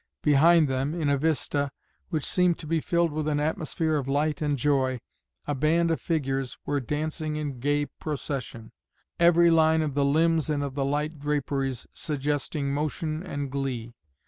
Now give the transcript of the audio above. Behind them, in a vista, which seemed to be filled with an atmosphere of light and joy, a band of figures were dancing in gay procession, every line of the limbs and of the light draperies suggesting motion and glee.